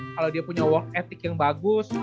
kalau dia punya work ethic yang bagus